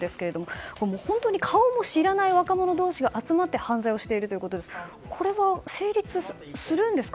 本当に顔も知らない若者同士が集まって犯罪をしているということですがこれは成立するんですか？